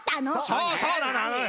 そうそうなの。